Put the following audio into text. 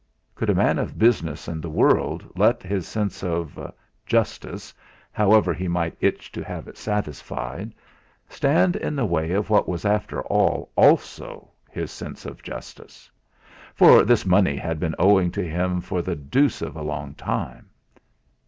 could a man of business and the world let his sense of justice however he might itch to have it satisfied stand in the way of what was after all also his sense of Justice? for this money had been owing to him for the deuce of along time.